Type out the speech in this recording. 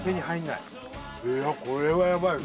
いやこれはやばいよ